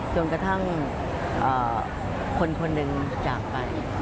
จนกระทั่งคนคนหนึ่งจากไป